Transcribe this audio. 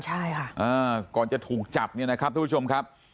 ใช่ค่ะก่อนจะถูกจับเนี่ยนะครับทุกผู้ชมครับ